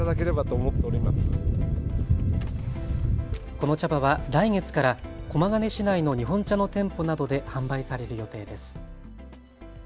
この茶葉は来月から駒ヶ根市内の日本茶の店舗などで販売される予定です。